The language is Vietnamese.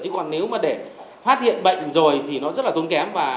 chỉ còn nếu mà để phát hiện bệnh rồi thì nó rất là tốn kém